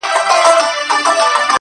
• که هر څو نجوني ږغېږي چي لونګ یم_